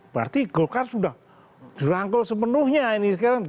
berarti golkar sudah dirangkul sepenuhnya ini sekarang